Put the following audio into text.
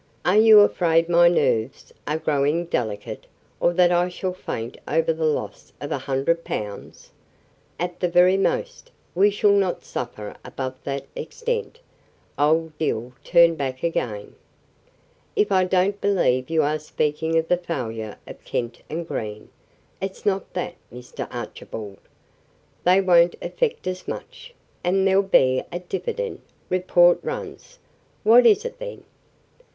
Are you afraid my nerves are growing delicate, or that I shall faint over the loss of a hundred pounds? At the very most, we shall not suffer above that extent." Old Dill turned back again. "If I don't believe you are speaking of the failure of Kent & Green! It's not that, Mr. Archibald. They won't affect us much; and there'll be a dividend, report runs." "What is it, then?"